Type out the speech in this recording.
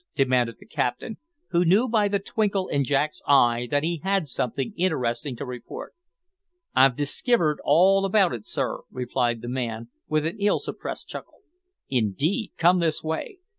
demanded the captain, who knew by the twinkle in Jack's eye that he had something interesting to report. "I've diskivered all about it sir," replied the man, with an ill suppressed chuckle. "Indeed! come this way.